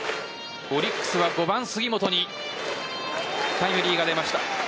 オリックスは５番・杉本にタイムリーが出ました。